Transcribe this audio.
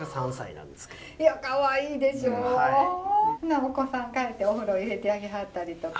お子さん帰ってお風呂入れてあげはったりとか。